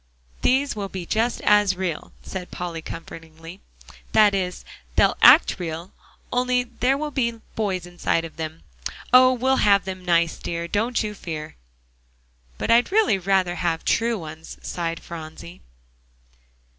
"These will be just as real," said Polly comfortingly, "that is, they'll act real, only there will be boys inside of them. Oh! we'll have them nice, dear, don't you fear." "But I'd really rather have true ones," sighed Phronsie.